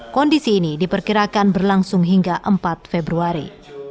kondisi ini diperkirakan berlangsung hingga empat februari